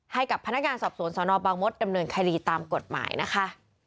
ให้กับพนักงานสอบสวนสนบางมศดำเนินคดีตามกฎหมายนะคะ